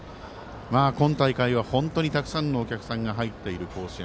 今大会は本当にたくさんのお客さんが入っている甲子園。